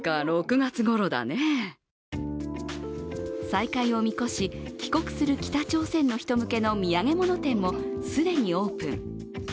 再開を見越し帰国する北朝鮮の人向けの土産物店も既にオープン。